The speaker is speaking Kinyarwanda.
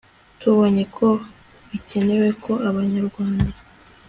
Tubonye ko bikenewe ko abanyarwanda